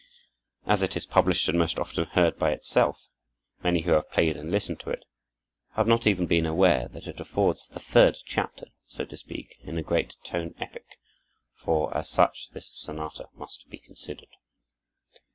As it is published and most often heard by itself, many who have played and listened to it have not even been aware that it affords the third chapter, so to speak, in a great tone epic, for as such this sonata must be considered.